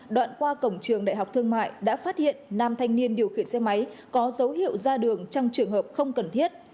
đoạn qua cổng trường đại học thương mại đã phát hiện nam thanh niên điều khiển xe máy có dấu hiệu ra đường trong trường hợp không cần thiết